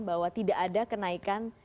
bahwa tidak ada kenaikan